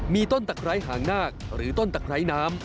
มีต้นตักไครหางน่าหรือต้นตักไครน้ำ